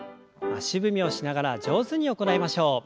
足踏みをしながら上手に行いましょう。